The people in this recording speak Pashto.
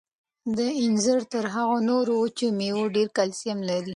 دا انځر تر هغو نورو وچو مېوو ډېر کلسیم لري.